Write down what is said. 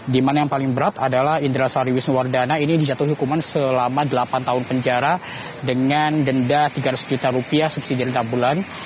dimana yang paling berat adalah indra sariwis wardana ini dijatuhi hukuman selama delapan tahun penjara dengan denda rp tiga ratus juta subsidi dari tabulan